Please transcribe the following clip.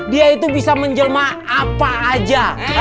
dia itu bisa menjelma apa aja